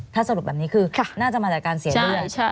ถ้าสรุปแบบนี้คือน่าจะมาจากการเสียเลือด